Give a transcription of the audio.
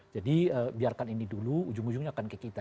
jadi biarkan ini dulu ujung ujungnya akan ke kita